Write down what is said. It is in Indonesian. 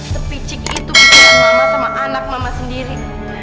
sepicik itu berbeda sama anak mama sendiri